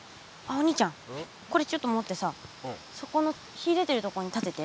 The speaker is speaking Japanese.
これちょっと持ってさそこの日でてるとこに立てて。